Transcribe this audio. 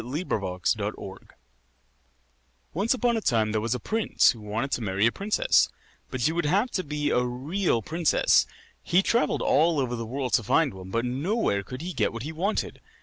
THE PRINCESS AND THE PEA Once upon a time there was a prince who wanted to marry a princess; but she would have to be a real princess. He travelled all over the world to find one, but nowhere could he get what he wanted.